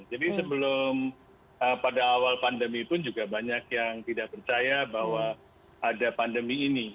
jadi sebelum pada awal pandemi pun juga banyak yang tidak percaya bahwa ada pandemi ini